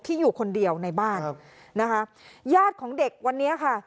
อยู่คนเดียวในบ้านนะคะญาติของเด็กวันนี้ค่ะ